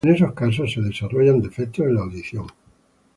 En esos casos se desarrollan defectos en la audición.